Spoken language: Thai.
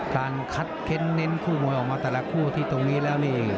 การคัดเค้นเน้นคู่มวยออกมาแต่ละคู่ที่ตรงนี้แล้วนี่